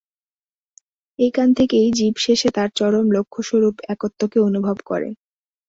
এইখান থেকেই জীব শেষে তার চরম লক্ষ্যস্বরূপ একত্বকে অনুভব করে।